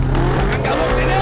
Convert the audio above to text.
bukan kamu sendiri